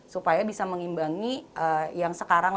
supaya bisa mengimbangi yang sekarang